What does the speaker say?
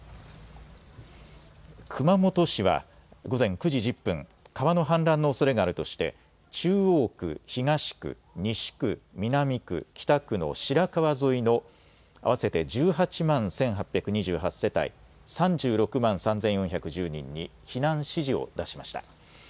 熊本市は午前９時１０分、川の氾濫のおそれがあるとして中央区、東区、西区、南区、北区の白川沿いの合わせて１８万１８２８世帯３６万３４１０人に避難指示を出しました。